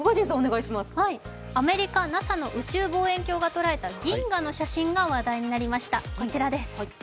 アメリカＮＡＳＡの宇宙望遠鏡が捉えた銀河の写真が話題になりました。